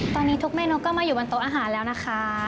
ตอนนี้ทุกเมนูก็มาอยู่บนโต๊ะอาหารแล้วนะคะ